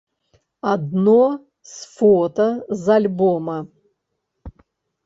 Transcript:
Адно з фота з альбома.